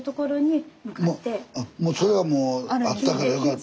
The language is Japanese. あそれはもうあったからよかった。